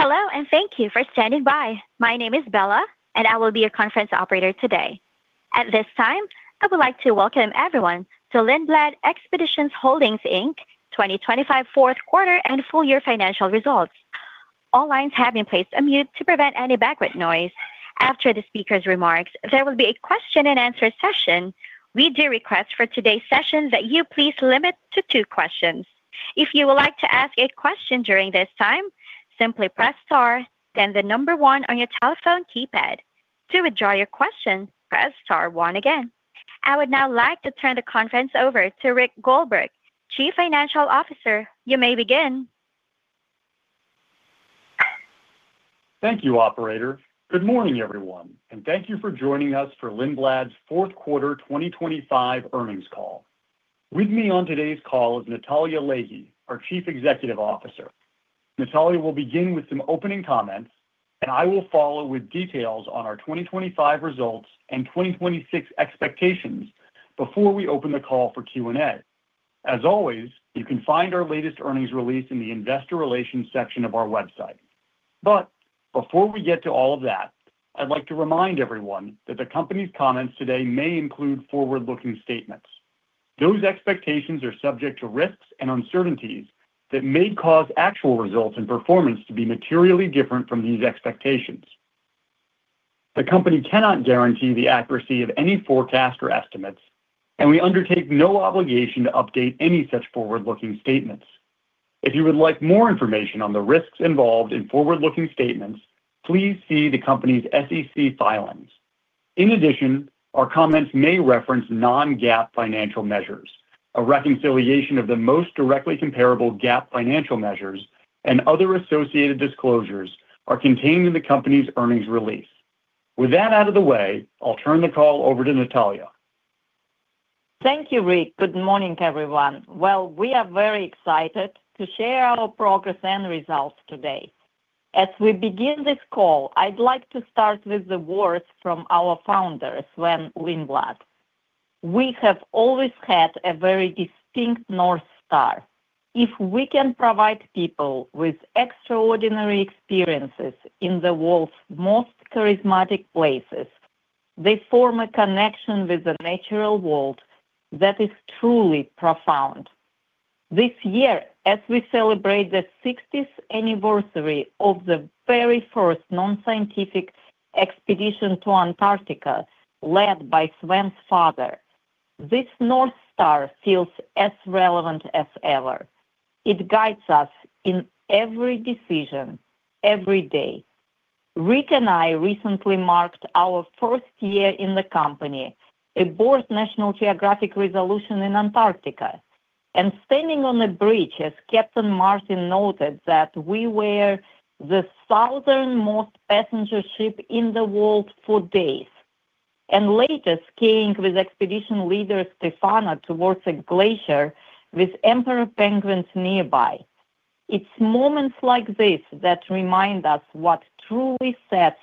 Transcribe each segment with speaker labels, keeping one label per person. Speaker 1: Hello, and thank you for standing by. My name is Bella, and I will be your conference operator today. At this time, I would like to welcome everyone to Lindblad Expeditions Holdings, Inc. 2025 fourth quarter and full year financial results. All lines have been placed on mute to prevent any background noise. After the speaker's remarks, there will be a question and answer session. We do request for today's session that you please limit to two questions. If you would like to ask a question during this time, simply press star, then the number one on your telephone keypad. To withdraw your question, press star one again. I would now like to turn the conference over to Rick Goldberg, Chief Financial Officer. You may begin.
Speaker 2: Thank you, operator. Good morning, everyone. Thank you for joining us for Lindblad's fourth quarter 2025 earnings call. With me on today's call is Natalya Leahy, our Chief Executive Officer. Natalya will begin with some opening comments. I will follow with details on our 2025 results and 2026 expectations before we open the call for Q&A. As always, you can find our latest earnings release in the investor relations section of our website. Before we get to all of that, I'd like to remind everyone that the company's comments today may include forward-looking statements. Those expectations are subject to risks and uncertainties that may cause actual results and performance to be materially different from these expectations. The company cannot guarantee the accuracy of any forecast or estimates. We undertake no obligation to update any such forward-looking statements. If you would like more information on the risks involved in forward-looking statements, please see the company's SEC filings. Our comments may reference non-GAAP financial measures. A reconciliation of the most directly comparable GAAP financial measures and other associated disclosures are contained in the company's earnings release. With that out of the way, I'll turn the call over to Natalya.
Speaker 3: Thank you, Rick. Good morning, everyone. We are very excited to share our progress and results today. As we begin this call, I'd like to start with the words from our founder, Sven Lindblad. We have always had a very distinct North Star. If we can provide people with extraordinary experiences in the world's most charismatic places, they form a connection with the natural world that is truly profound. This year, as we celebrate the 60th anniversary of the very first non-scientific expedition to Antarctica, led by Sven's father, this North Star feels as relevant as ever. It guides us in every decision, every day. Rick and I recently marked our first year in the company, aboard National Geographic Resolution in Antarctica, and standing on the bridge as Captain Martin noted that we were the southernmost passenger ship in the world for days, and later skiing with expedition leader, Stefana, towards a glacier with emperor penguins nearby. It's moments like this that remind us what truly sets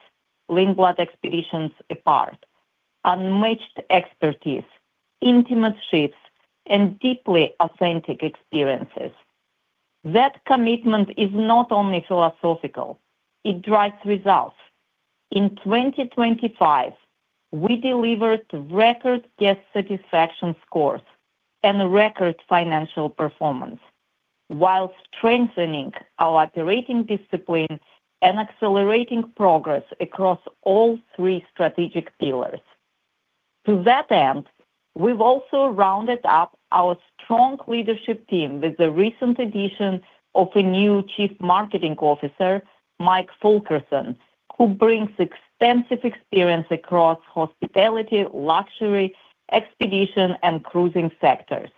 Speaker 3: Lindblad Expeditions apart: unmatched expertise, intimate ships, and deeply authentic experiences. That commitment is not only philosophical, it drives results. In 2025, we delivered record guest satisfaction scores and record financial performance, while strengthening our operating discipline and accelerating progress across all three strategic pillars. To that end, we've also rounded up our strong leadership team with the recent addition of a new Chief Marketing Officer, Mike Fulkerson, who brings extensive experience across hospitality, luxury, expedition, and cruising sectors.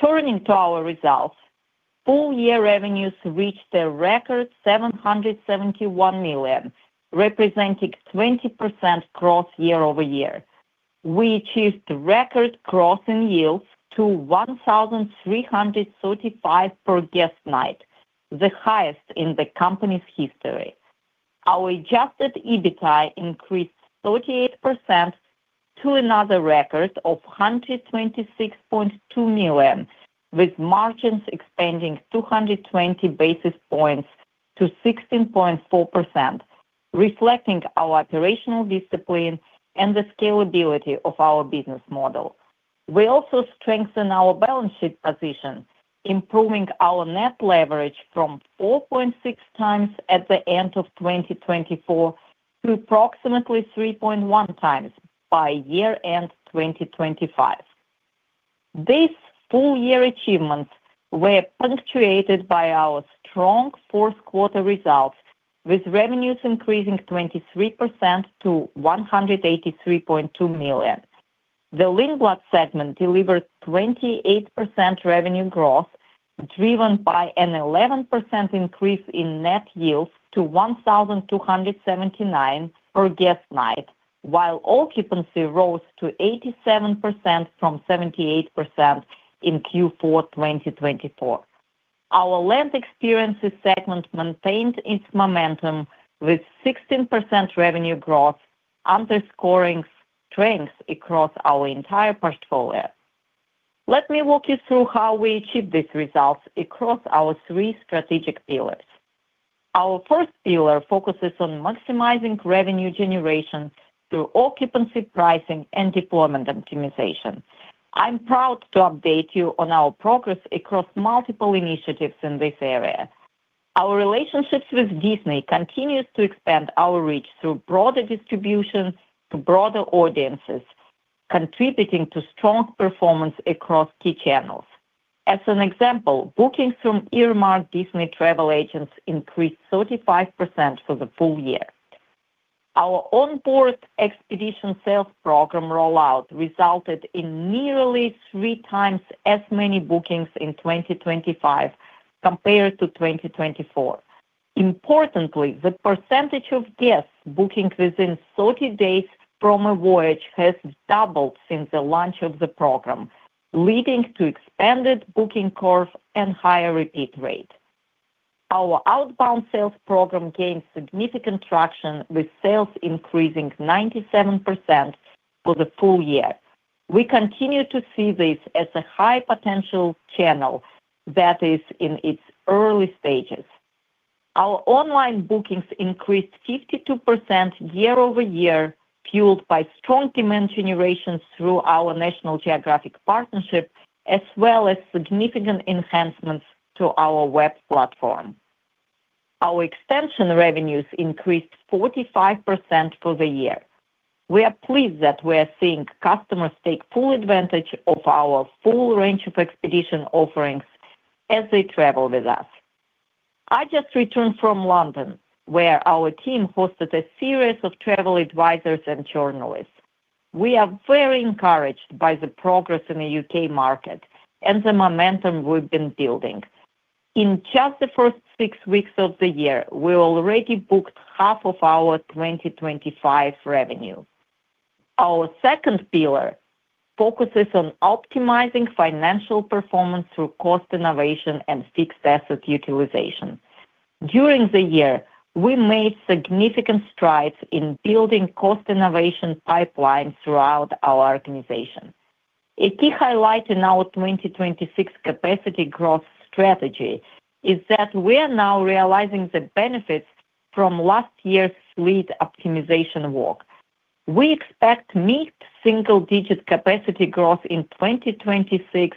Speaker 3: Turning to our results, full-year revenues reached a record $771 million, representing 20% growth year-over-year. We achieved record growth in yields to $1,335 per guest night, the highest in the company's history. Our Adjusted EBITDA increased 38% to another record of $126.2 million, with margins expanding 220 basis points to 16.4%, reflecting our operational discipline and the scalability of our business model. We also strengthened our balance sheet position, improving our net leverage from 4.6x at the end of 2024 to approximately 3.1x by year-end 2025. These full-year achievements were punctuated by our strong fourth quarter results, with revenues increasing 23% to $183.2 million. The Lindblad segment delivered 28% revenue growth, driven by an 11% increase in net yields to $1,279 per guest night, while occupancy rose to 87% from 78% in Q4 2024. Our Land Experiences segment maintained its momentum with 16% revenue growth, underscoring strength across our entire portfolio....Let me walk you through how we achieved these results across our three strategic pillars. Our first pillar focuses on maximizing revenue generation through occupancy, pricing, and deployment optimization. I'm proud to update you on our progress across multiple initiatives in this area. Our relationships with Disney continues to expand our reach through broader distribution to broader audiences, contributing to strong performance across key channels. As an example, bookings from earmarked Disney travel agents increased 35% for the full year. Our onboard expedition sales program rollout resulted in nearly 3x as many bookings in 2025 compared to 2024. Importantly, the percentage of guests booking within 30 days from a voyage has doubled since the launch of the program, leading to expanded booking curves and higher repeat rate. Our outbound sales program gained significant traction, with sales increasing 97% for the full year. We continue to see this as a high potential channel that is in its early stages. Our online bookings increased 52% year-over-year, fueled by strong demand generation through our National Geographic partnership, as well as significant enhancements to our web platform. Our extension revenues increased 45% for the year. We are pleased that we are seeing customers take full advantage of our full range of expedition offerings as they travel with us. I just returned from London, where our team hosted a series of travel advisors and journalists. We are very encouraged by the progress in the UK market and the momentum we've been building. In just the first six weeks of the year, we already booked half of our 2025 revenue. Our second pillar focuses on optimizing financial performance through cost innovation and fixed asset utilization. During the year, we made significant strides in building cost innovation pipelines throughout our organization. A key highlight in our 2026 capacity growth strategy is that we are now realizing the benefits from last year's fleet optimization work. We expect mid-single-digit capacity growth in 2026,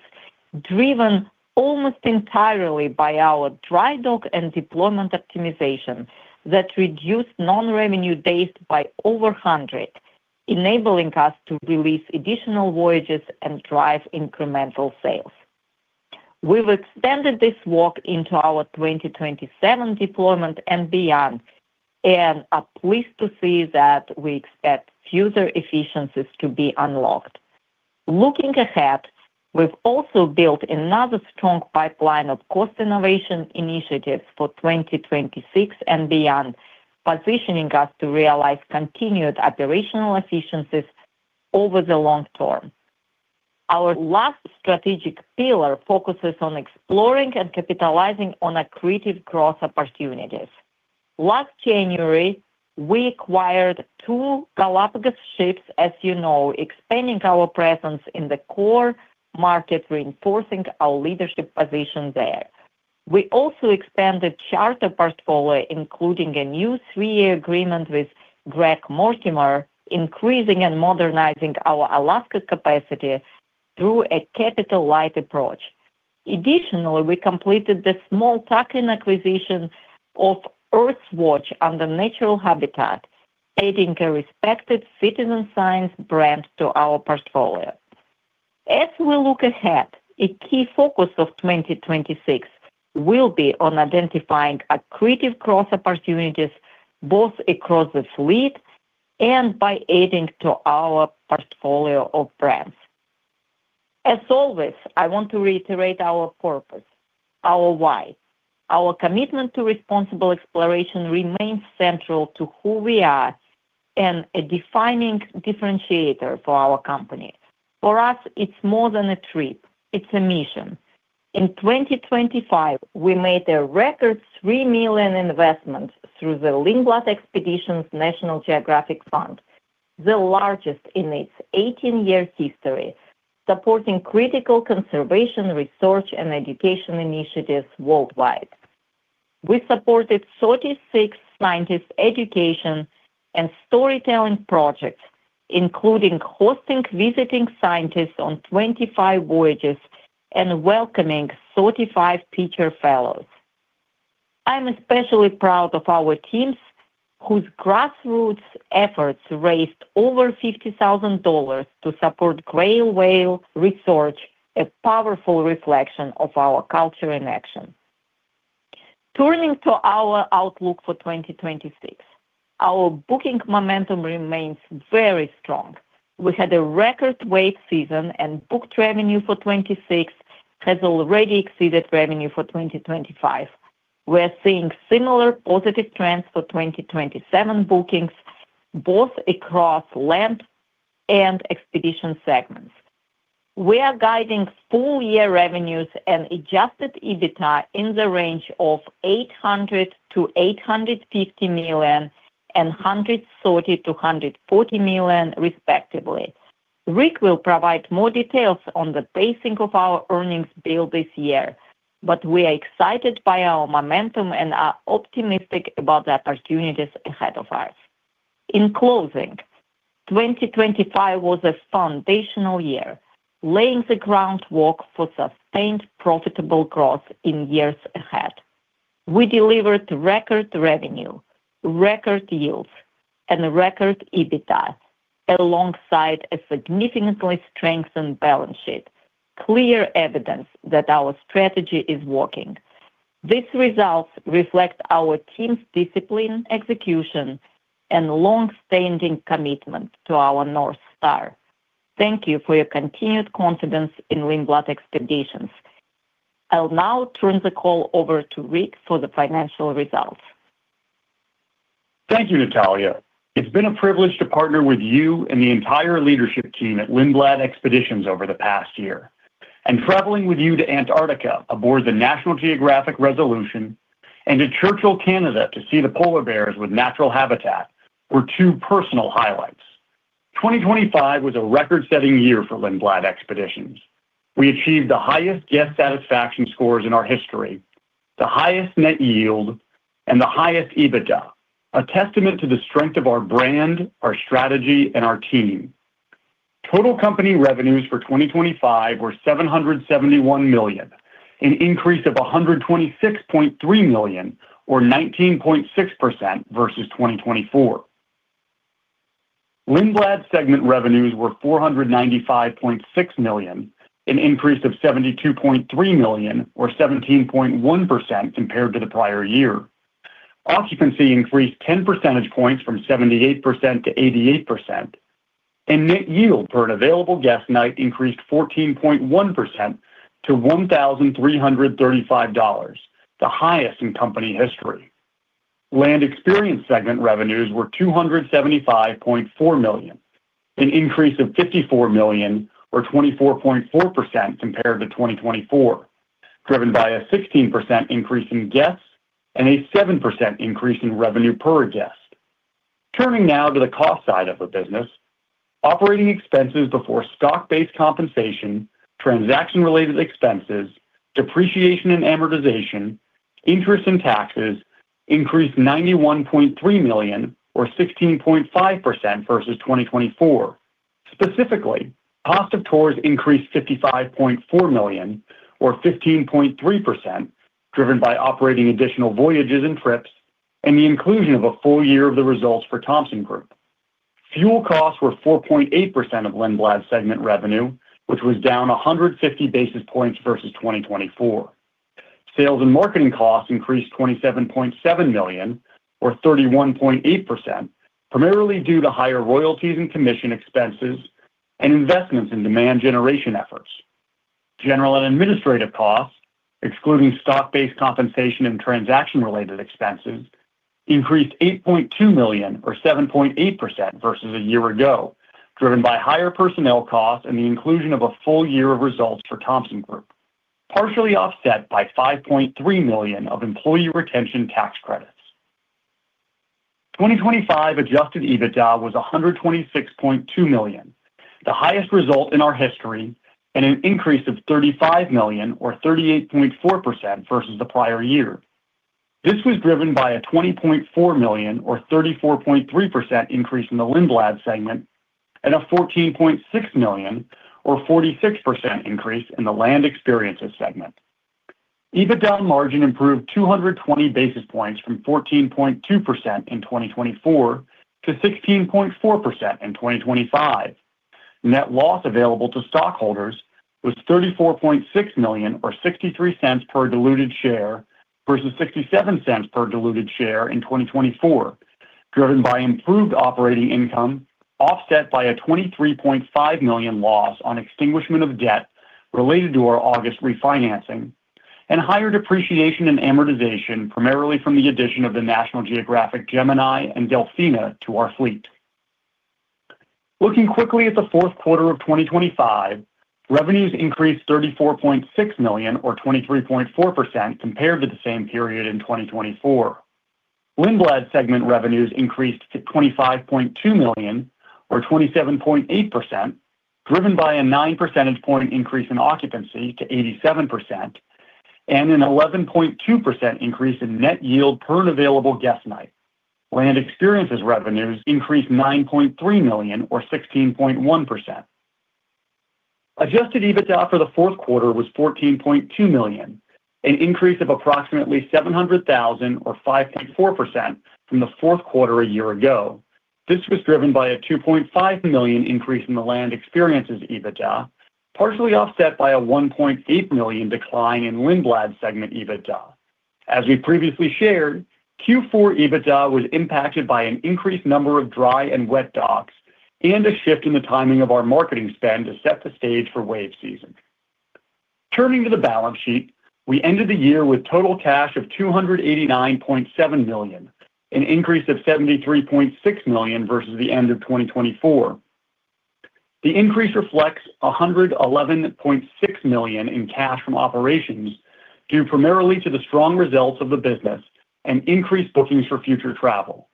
Speaker 3: driven almost entirely by our dry dock and deployment optimization that reduced non-revenue days by over 100, enabling us to release additional voyages and drive incremental sales. We've extended this work into our 2027 deployment and beyond, are pleased to see that we expect further efficiencies to be unlocked. Looking ahead, we've also built another strong pipeline of cost innovation initiatives for 2026 and beyond, positioning us to realize continued operational efficiencies over the long term. Our last strategic pillar focuses on exploring and capitalizing on accretive growth opportunities. Last January, we acquired two Galápagos ships, as you know, expanding our presence in the core market, reinforcing our leadership position there. We also expanded charter portfolio, including a new three-year agreement with Greg Mortimer, increasing and modernizing our Alaska capacity through a capital-light approach. Additionally, we completed the small tuck-in acquisition of Earthwatch and the Natural Habitat, adding a respected citizen science brand to our portfolio. As we look ahead, a key focus of 2026 will be on identifying accretive growth opportunities, both across the fleet and by adding to our portfolio of brands. As always, I want to reiterate our purpose, our why. Our commitment to responsible exploration remains central to who we are and a defining differentiator for our company. For us, it's more than a trip, it's a mission. In 2025, we made a record $3 million investment through the Lindblad Expeditions-National Geographic Fund, the largest in its 18-year history, supporting critical conservation, research, and education initiatives worldwide. We supported 36 scientist education and storytelling projects, including hosting visiting scientists on 25 voyages and welcoming 35 teacher fellows. I'm especially proud of our teams, whose grassroots efforts raised over $50,000 to support gray whale research, a powerful reflection of our culture in action. Turning to our outlook for 2026, our booking momentum remains very strong. We had a record wave season, and booked revenue for 2026 has already exceeded revenue for 2025. We're seeing similar positive trends for 2027 bookings, both across land and expedition segments. We are guiding full-year revenues and Adjusted EBITDA in the range of $800 million-$850 million, $130 million-$140 million, respectively. Rick will provide more details on the pacing of our earnings build this year, but we are excited by our momentum and are optimistic about the opportunities ahead of us. In closing, 2025 was a foundational year, laying the groundwork for sustained profitable growth in years ahead. We delivered record revenue, record yields, and record EBITDA, alongside a significantly strengthened balance sheet, clear evidence that our strategy is working. These results reflect our team's discipline, execution, and long-standing commitment to our North Star. Thank you for your continued confidence in Lindblad Expeditions. I'll now turn the call over to Rick for the financial results.
Speaker 2: Thank you, Natalya. It's been a privilege to partner with you and the entire leadership team at Lindblad Expeditions over the past year, and traveling with you to Antarctica aboard the National Geographic Resolution and to Churchill, Canada, to see the polar bears with Natural Habitat were two personal highlights. 2025 was a record-setting year for Lindblad Expeditions. We achieved the highest guest satisfaction scores in our history, the highest net yield, and the highest EBITDA, a testament to the strength of our brand, our strategy, and our team. Total company revenues for 2025 were $771 million, an increase of $126.3 million or 19.6% versus 2024. Lindblad segment revenues were $495.6 million, an increase of $72.3 million or 17.1% compared to the prior year. Occupancy increased 10 percentage points from 78% to 88%, and Net Yield per Available Guest Night increased 14.1% to $1,335, the highest in company history. Land Experience segment revenues were $275.4 million, an increase of $54 million or 24.4% compared to 2024, driven by a 16% increase in guests and a 7% increase in revenue per guest. Turning now to the cost side of the business, operating expenses before stock-based compensation, transaction-related expenses, depreciation and amortization, interest and taxes increased $91.3 million or 16.5% versus 2024. Specifically, cost of tours increased $55.4 million or 15.3%, driven by operating additional voyages and trips and the inclusion of a full year of the results for Thomson Group. Fuel costs were 4.8% of Lindblad's segment revenue, which was down 150 basis points versus 2024. Sales and marketing costs increased $27.7 million or 31.8%, primarily due to higher royalties and commission expenses and investments in demand generation efforts. General and administrative costs, excluding stock-based compensation and transaction-related expenses, increased $8.2 million or 7.8% versus a year ago, driven by higher personnel costs and the inclusion of a full year of results for Thomson Group, partially offset by $5.3 million of employee retention tax credits. 2025 Adjusted EBITDA was $126.2 million, the highest result in our history, and an increase of $35 million or 38.4% versus the prior year. This was driven by a $20.4 million or 34.3% increase in the Lindblad segment and a $14.6 million or 46% increase in the Land Experiences segment. EBITDA margin improved 220 basis points from 14.2% in 2024 to 16.4% in 2025. Net loss available to stockholders was $34.6 million or $0.63 per diluted share, versus $0.67 per diluted share in 2024, driven by improved operating income, offset by a $23.5 million loss on extinguishment of debt related to our August refinancing and higher depreciation and amortization, primarily from the addition of the National Geographic Gemini and Delfina to our fleet. Looking quickly at the fourth quarter of 2025, revenues increased $34.6 million or 23.4% compared to the same period in 2024. Lindblad segment revenues increased to $25.2 million or 27.8%, driven by a 9 percentage point increase in occupancy to 87% and an 11.2% increase in Net Yield per Available Guest Night. Land Experiences revenues increased $9.3 million or 16.1%. Adjusted EBITDA for the fourth quarter was $14.2 million, an increase of approximately $700,000 or 5.4% from the fourth quarter a year ago. This was driven by a $2.5 million increase in the Land Experiences EBITDA, partially offset by a $1.8 million decline in Lindblad segment EBITDA. As we previously shared, Q4 EBITDA was impacted by an increased number of dry and wet docks and a shift in the timing of our marketing spend to set the stage for wave season. Turning to the balance sheet, we ended the year with total cash of $289.7 million, an increase of $73.6 million versus the end of 2024. The increase reflects $111.6 million in cash from operations, due primarily to the strong results of the business and increased bookings for future travel.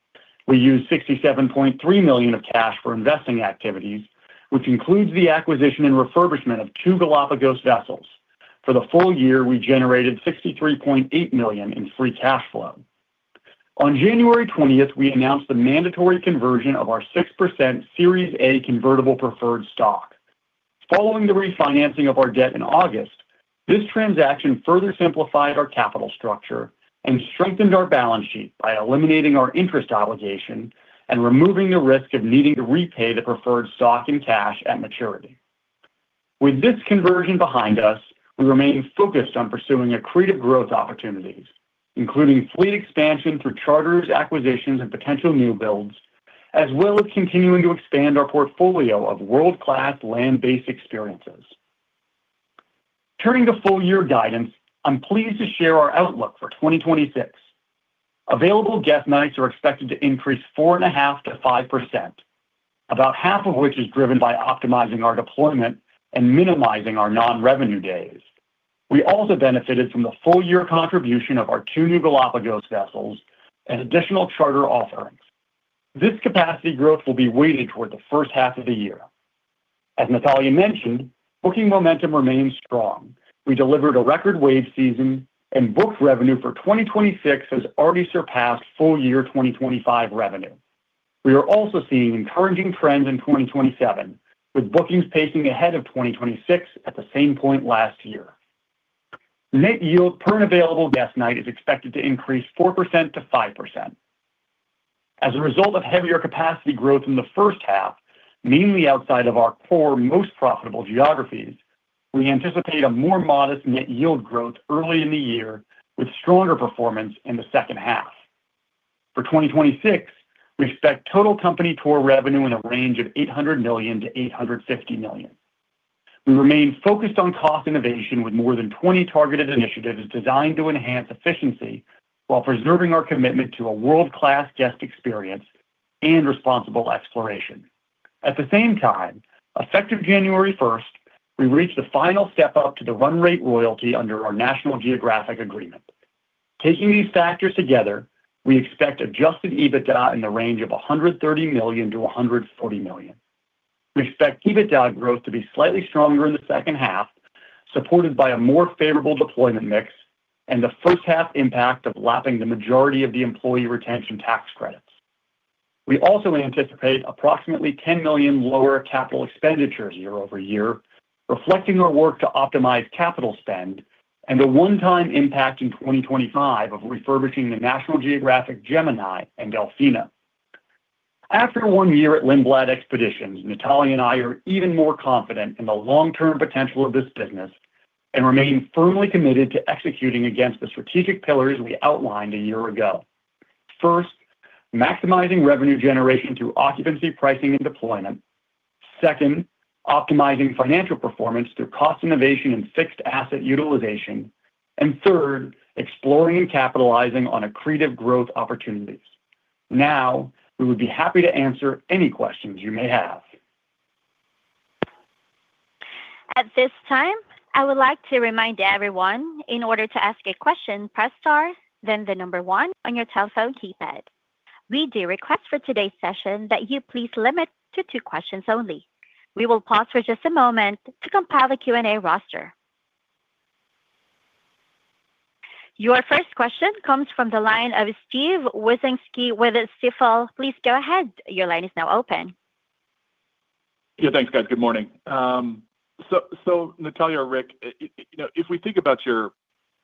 Speaker 2: We used $67.3 million of cash for investing activities, which includes the acquisition and refurbishment of two Galápagos vessels. For the full year, we generated $63.8 million in free cash flow. On January 20th, we announced the mandatory conversion of our 6% Series A convertible preferred stock. Following the refinancing of our debt in August, this transaction further simplified our capital structure and strengthened our balance sheet by eliminating our interest obligation and removing the risk of needing to repay the preferred stock and cash at maturity. With this conversion behind us, we remain focused on pursuing accretive growth opportunities, including fleet expansion through charters, acquisitions, and potential new builds, as well as continuing to expand our portfolio of world-class land-based experiences. Turning to full year guidance, I'm pleased to share our outlook for 2026. Available guest nights are expected to increase 4.5%-5%, about half of which is driven by optimizing our deployment and minimizing our non-revenue days. We also benefited from the full year contribution of our two new Galápagos vessels and additional charter offerings. This capacity growth will be weighted toward the first half of the year. As Natalya mentioned, booking momentum remains strong. We delivered a record wave season, and booked revenue for 2026 has already surpassed full year 2025 revenue. We are also seeing encouraging trends in 2027, with bookings pacing ahead of 2026 at the same point last year. Net Yield per Available Guest Night is expected to increase 4%-5%. As a result of heavier capacity growth in the first half, mainly outside of our core, most profitable geographies, we anticipate a more modest net yield growth early in the year, with stronger performance in the second half. For 2026, we expect total company tour revenue in a range of $800 million-$850 million. We remain focused on cost innovation, with more than 20 targeted initiatives designed to enhance efficiency while preserving our commitment to a world-class guest experience and responsible exploration. At the same time, effective January 1st, we reached the final step up to the run rate royalty under our National Geographic agreement. Taking these factors together, we expect Adjusted EBITDA in the range of $130 million-$140 million. We expect EBITDA growth to be slightly stronger in the second half, supported by a more favorable deployment mix and the first half impact of lapping the majority of the employee retention tax credits. We also anticipate approximately $10 million lower capital expenditures year-over-year, reflecting our work to optimize capital spend and the one-time impact in 2025 of refurbishing the National Geographic Gemini and Delfina. After one year at Lindblad Expeditions, Natalya and I are even more confident in the long-term potential of this business and remain firmly committed to executing against the strategic pillars we outlined a year ago. First, maximizing revenue generation through occupancy, pricing, and deployment. Second, optimizing financial performance through cost innovation and fixed asset utilization. Third, exploring and capitalizing on accretive growth opportunities. We would be happy to answer any questions you may have.
Speaker 1: At this time, I would like to remind everyone, in order to ask a question, press star, then the number one on your telephone keypad. We do request for today's session that you please limit to two questions only. We will pause for just a moment to compile a Q&A roster. Your first question comes from the line of Steven Wieczynski with Stifel. Please go ahead. Your line is now open.
Speaker 4: Thanks, guys. Good morning. So Natalya or Rick, you know, if we think about your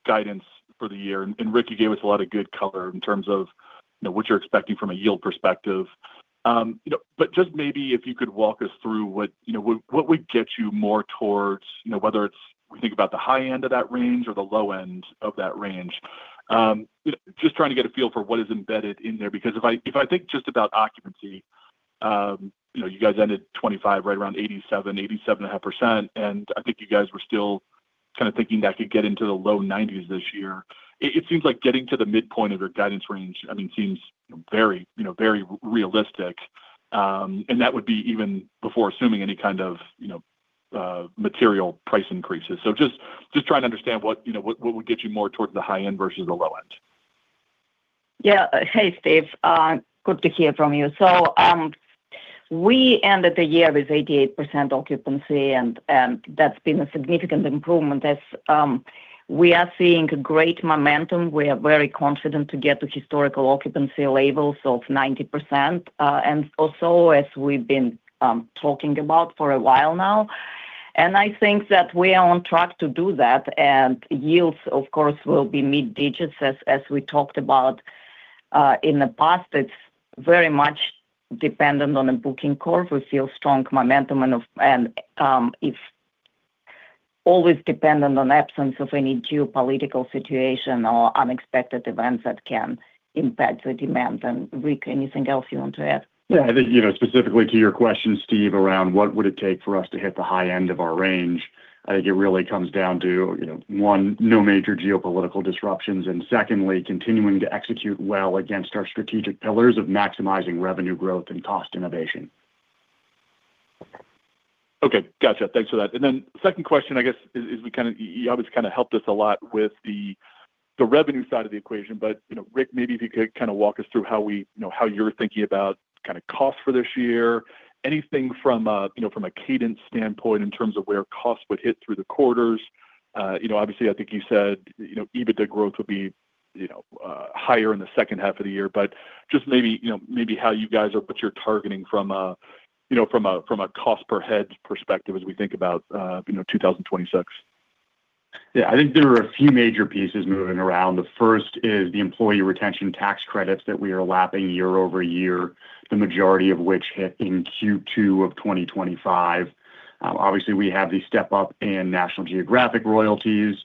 Speaker 4: guidance for the year, and Rick, you gave us a lot of good color in terms of, you know, what you're expecting from a yield perspective. You know, just maybe if you could walk us through what you know would get you more towards, you know, whether it's we think about the high end of that range or the low end of that range? Just trying to get a feel for what is embedded in there. If I think just about occupancy, you know, you guys ended 25 right around 87.5%, and I think you guys were still kind of thinking that could get into the low 90s this year. It seems like getting to the midpoint of your guidance range, I mean, seems very, you know, very realistic, and that would be even before assuming any kind of, you know, material price increases. Just trying to understand what, you know, what would get you more towards the high end versus the low end?
Speaker 3: Hey, Steve, good to hear from you. We ended the year with 88% occupancy, and that's been a significant improvement as. We are seeing great momentum. We are very confident to get to historical occupancy levels of 90%, also, as we've been talking about for a while now, I think that we are on track to do that. Yields, of course, will be mid digits, as we talked about in the past. It's very much dependent on the booking curve. We feel strong momentum, and it's always dependent on absence of any geopolitical situation or unexpected events that can impact the demand. Rick, anything else you want to add?
Speaker 2: Yeah, I think, you know, specifically to your question, Steve, around what would it take for us to hit the high end of our range? I think it really comes down to, you know, one, no major geopolitical disruptions, and secondly, continuing to execute well against our strategic pillars of maximizing revenue growth and cost innovation.
Speaker 4: Okay, gotcha. Thanks for that. Second question, I guess, is, you obviously kind of helped us a lot with the revenue side of the equation. You know, Rick, maybe if you could kind of walk us through how we, you know, how you're thinking about kind of costs for this year. Anything from a, you know, from a cadence standpoint in terms of where costs would hit through the quarters? You know, obviously, I think you said, you know, EBITDA growth would be, you know, higher in the second half of the year. Just maybe, you know, maybe how you guys are what you're targeting from a, you know, from a cost per head perspective as we think about, you know, 2026.
Speaker 2: I think there are a few major pieces moving around. The first is the employee retention tax credits that we are lapping year-over-year, the majority of which hit in Q2 of 2025. Obviously, we have the step up in National Geographic royalties,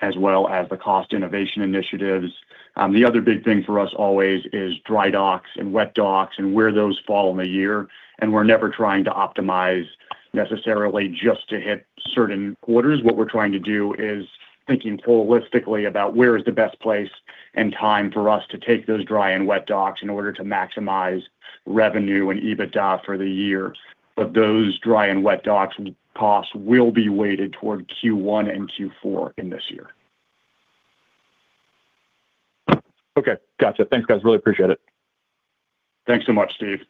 Speaker 2: as well as the cost innovation initiatives. The other big thing for us always is dry docks and wet docks and where those fall in the year, and we're never trying to optimize necessarily just to hit certain quarters. What we're trying to do is thinking holistically about where is the best place and time for us to take those dry and wet docks in order to maximize revenue and EBITDA for the year. Those dry and wet docks costs will be weighted toward Q1 and Q4 in this year.
Speaker 4: Okay. Gotcha. Thanks, guys. Really appreciate it.
Speaker 2: Thanks so much, Steve.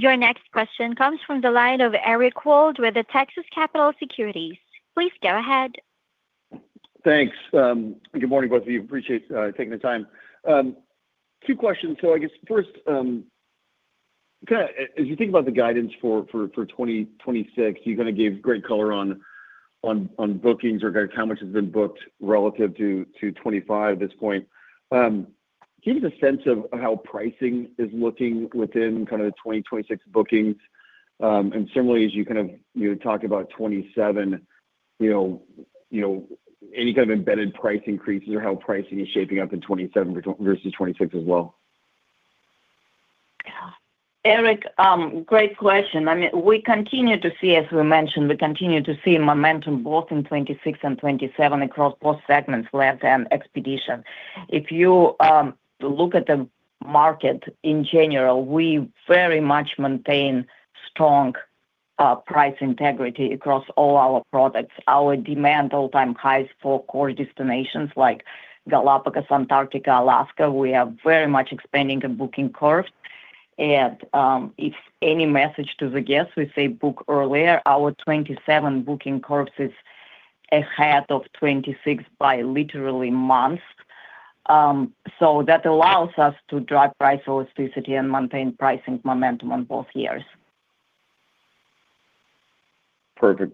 Speaker 1: Your next question comes from the line of Eric Wold with Texas Capital Securities. Please go ahead.
Speaker 5: Thanks. Good morning, both of you. Appreciate taking the time. Two questions. I guess first, kind of as you think about the guidance for 2026, you kind of gave great color on bookings or kind of how much has been booked relative to 2025 at this point. Can you give a sense of how pricing is looking within kind of the 2026 bookings? Similarly, as you kind of, you know, talked about 2027, you know, any kind of embedded price increases or how pricing is shaping up in 2027 versus 2026 as well?
Speaker 3: Yeah. Eric, great question. I mean, we continue to see, as we mentioned, we continue to see momentum both in 2026 and 2027 across both segments, land and expedition. If you look at the market in general, we very much maintain strong price integrity across all our products. Our demand all-time highs for core destinations like Galápagos, Antarctica, Alaska, we are very much expanding the booking curves. If any message to the guests, we say book earlier, our 2027 booking curves is ahead of 2026 by literally months. That allows us to drive price elasticity and maintain pricing momentum on both years.
Speaker 5: Perfect.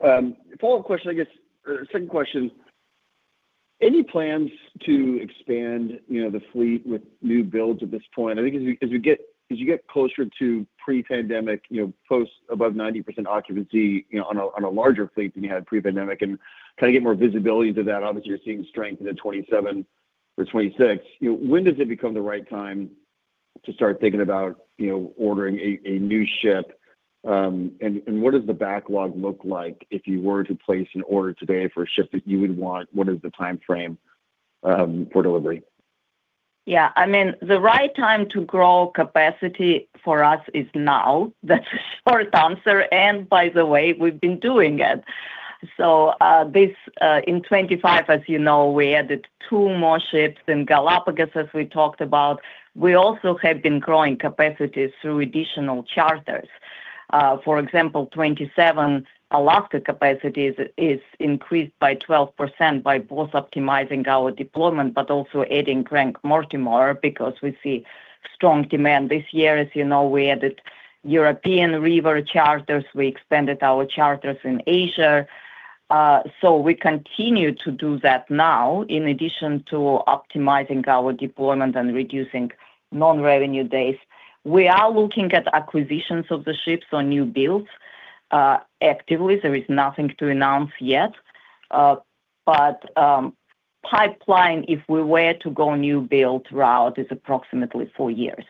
Speaker 5: Follow-up question, I guess, second question: any plans to expand, you know, the fleet with new builds at this point? I think as you get closer to pre-pandemic, you know, post above 90% occupancy, you know, on a larger fleet than you had pre-pandemic and kind of get more visibility to that, obviously, you're seeing strength in the 2027 or 2026. You know, when does it become the right time to start thinking about, you know, ordering a new ship? And what does the backlog look like? If you were to place an order today for a ship that you would want, what is the timeframe for delivery?
Speaker 3: Yeah, I mean, the right time to grow capacity for us is now. That's the short answer. By the way, we've been doing it. This in 2025, as you know, we added two more ships in Galápagos, as we talked about. We also have been growing capacities through additional charters. For example, 2027, Alaska capacities is increased by 12% by both optimizing our deployment, but also adding Greg Mortimer, because we see strong demand this year. As you know, we added European River charters, we expanded our charters in Asia. We continue to do that now, in addition to optimizing our deployment and reducing non-revenue days. We are looking at acquisitions of the ships on new builds, actively. There is nothing to announce yet, but, pipeline, if we were to go new build route, is approximately four years.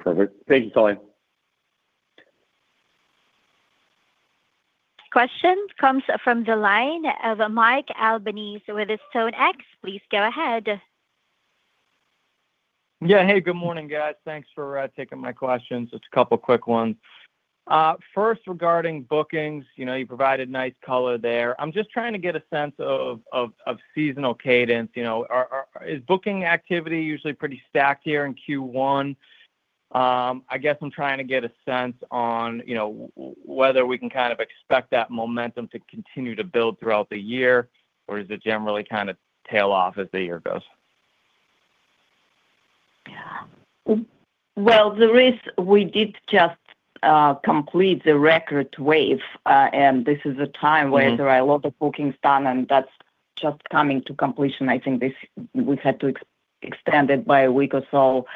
Speaker 5: Perfect. Thank you for your time.
Speaker 1: Questions comes from the line of Mike Albanese with StoneX. Please go ahead.
Speaker 6: Hey, good morning, guys. Thanks for taking my questions. Just a couple of quick ones. First, regarding bookings, you know, you provided nice color there. I'm just trying to get a sense of seasonal cadence. You know, is booking activity usually pretty stacked here in Q1? I guess I'm trying to get a sense on, you know, whether we can kind of expect that momentum to continue to build throughout the year, or does it generally kind of tail off as the year goes?
Speaker 3: Yeah. Well, the risk we did just complete the record wave.
Speaker 6: Mm-hmm
Speaker 3: Where there are a lot of bookings done, and that's just coming to completion. I think this, we had to extend it by one week or so.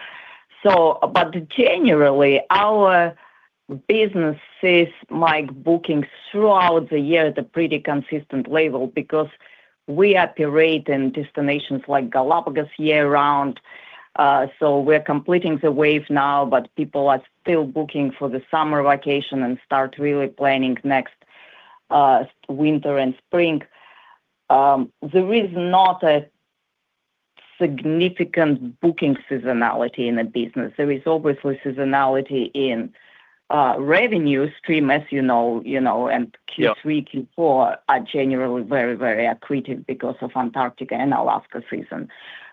Speaker 3: Generally, our business sees like bookings throughout the year at a pretty consistent level because. We operate in destinations like Galápagos year-round, so we're completing the wave now, but people are still booking for the summer vacation and start really planning next winter and spring. There is not a significant booking seasonality in the business. There is obviously seasonality in revenue stream, as you know, you know. Q3, Q4 are generally very accretive because of Antarctica and Alaska season.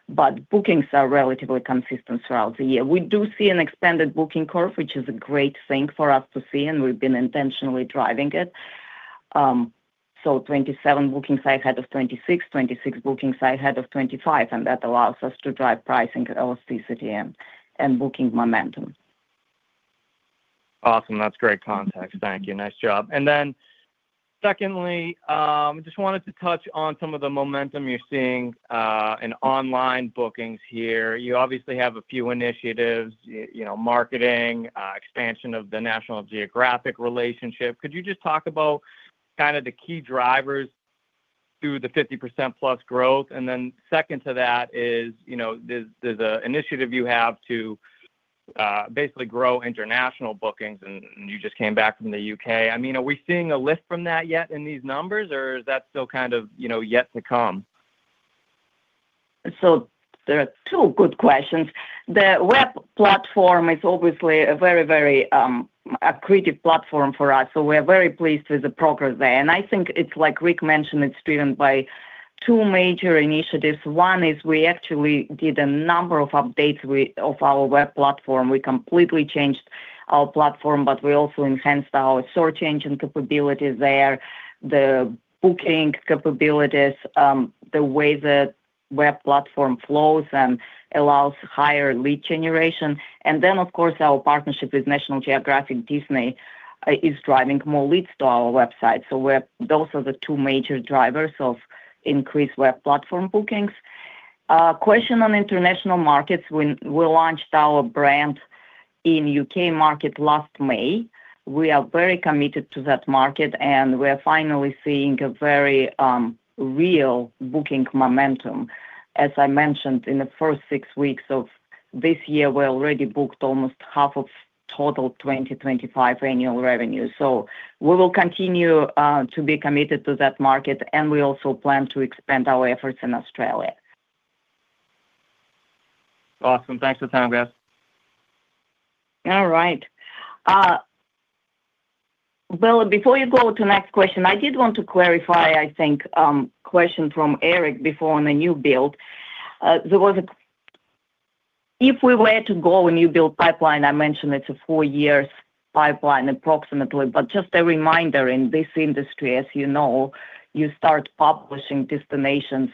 Speaker 3: Bookings are relatively consistent throughout the year. We do see an expanded booking curve, which is a great thing for us to see, and we've been intentionally driving it. 27 bookings ahead of 26 bookings ahead of 25, and that allows us to drive pricing, LCCDM, and booking momentum.
Speaker 6: Awesome. That's great context. Thank you. Nice job. Secondly, just wanted to touch on some of the momentum you're seeing, in online bookings here. You obviously have a few initiatives, you know, marketing, expansion of the National Geographic relationship. Could you just talk about kind of the key drivers to the 50% plus growth? Second to that is, you know, the initiative you have to, basically grow international bookings, and you just came back from the U.K. I mean, are we seeing a lift from that yet in these numbers, or is that still kind of, you know, yet to come?
Speaker 3: There are two good questions. The web platform is obviously a very, very accretive platform for us, so we're very pleased with the progress there. I think it's like Rick mentioned, it's driven by two major initiatives. One is we actually did a number of updates of our web platform. We completely changed our platform, but we also enhanced our search engine capabilities there, the booking capabilities, the way the web platform flows and allows higher lead generation. Of course, our partnership with National Geographic Disney is driving more leads to our website. Those are the two major drivers of increased web platform bookings. Question on international markets, we launched our brand in U.K. market last May. We are very committed to that market, and we're finally seeing a very real booking momentum. As I mentioned, in the first six weeks of this year, we already booked almost half of total 2025 annual revenue. We will continue to be committed to that market, and we also plan to expand our efforts in Australia.
Speaker 6: Awesome. Thanks for the time, guys.
Speaker 3: All right. Well, before you go to the next question, I did want to clarify, I think, question from Eric before on the new build. If we were to grow a new build pipeline, I mentioned it's a four years pipeline, approximately. Just a reminder, in this industry, as you know, you start publishing destinations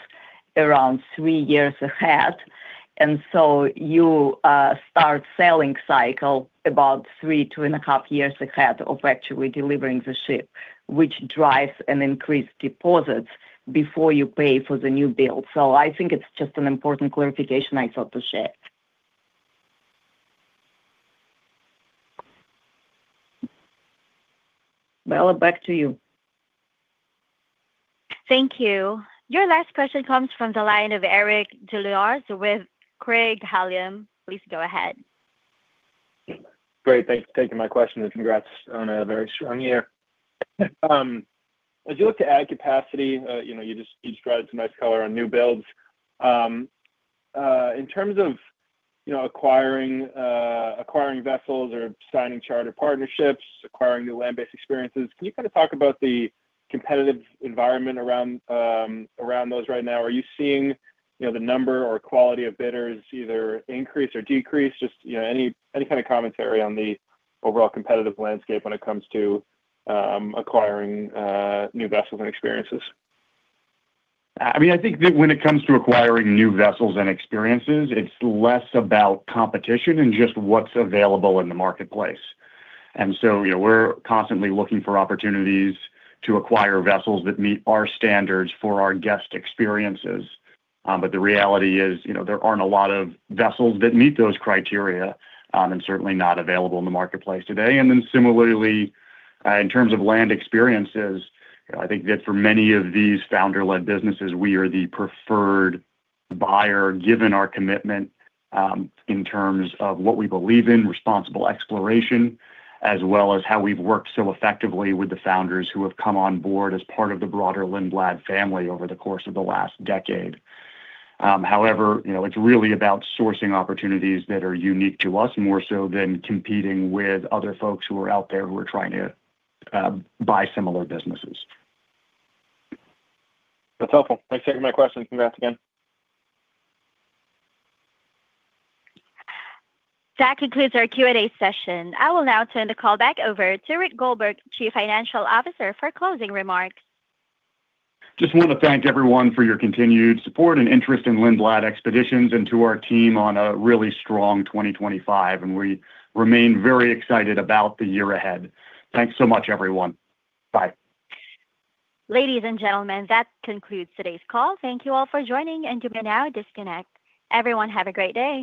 Speaker 3: around three years ahead, and so you start selling cycle about three, two and a half years ahead of actually delivering the ship, which drives an increased deposits before you pay for the new build. I think it's just an important clarification I thought to share. Bella, back to you.
Speaker 1: Thank you. Your last question comes from the line of Eric Des Lauriers with Craig-Hallum. Please go ahead.
Speaker 7: Great. Thanks for taking my question. Congrats on a very strong year. As you look to add capacity, you know, you just provided some nice color on new builds. In terms of, you know, acquiring vessels or signing charter partnerships, acquiring new land-based experiences, can you kind of talk about the competitive environment around those right now? Are you seeing, you know, the number or quality of bidders either increase or decrease? Just, you know, any kind of commentary on the overall competitive landscape when it comes to acquiring new vessels and experiences.
Speaker 2: I mean, I think that when it comes to acquiring new vessels and experiences, it's less about competition and just what's available in the marketplace. You know, we're constantly looking for opportunities to acquire vessels that meet our standards for our guest experiences. But the reality is, you know, there aren't a lot of vessels that meet those criteria, and certainly not available in the marketplace today. Similarly, in terms of Land Experiences, I think that for many of these founder-led businesses, we are the preferred buyer, given our commitment, in terms of what we believe in, responsible exploration, as well as how we've worked so effectively with the founders who have come on board as part of the broader Lindblad family over the course of the last decade. You know, it's really about sourcing opportunities that are unique to us, more so than competing with other folks who are out there who are trying to buy similar businesses.
Speaker 7: That's helpful. Thanks for taking my question. Congrats again.
Speaker 1: That concludes our Q&A session. I will now turn the call back over to Rick Goldberg, Chief Financial Officer, for closing remarks.
Speaker 2: Just want to thank everyone for your continued support and interest in Lindblad Expeditions, and to our team on a really strong 2025, and we remain very excited about the year ahead. Thanks so much, everyone. Bye.
Speaker 1: Ladies and gentlemen, that concludes today's call. Thank you all for joining. You may now disconnect. Everyone, have a great day.